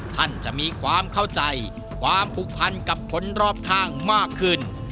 ท่านจะมีความเข้าใจความผูกพันกับคนรอบข้างมากขึ้น